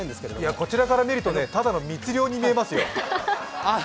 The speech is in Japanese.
こちらから見ると、ただの密漁に見えますよ。